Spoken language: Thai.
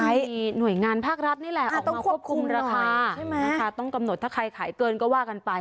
เดี๋ยวเขาจะมีหน่วยงานภาครัฐนี่แหละออกมาควบคุมราคาต้องกำหนดถ้าใครขายเกินก็ว่ากันไป